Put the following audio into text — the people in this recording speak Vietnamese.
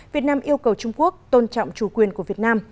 việt nam yêu cầu trung quốc tôn trọng chủ quyền của việt nam